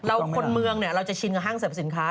คนเมืองเนี่ยเราจะชินกับห้างสรรพสินค้า